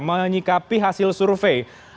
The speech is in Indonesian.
menyikapi hasil survei